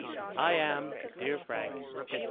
" I am, dear Frank, etc."